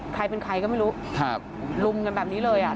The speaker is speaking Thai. ใครเป็นใครก็ไม่รู้ครับลุมกันแบบนี้เลยอ่ะ